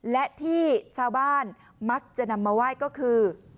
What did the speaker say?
และที่ชาวบ้านมักจะนำมาไหว้ก็คือ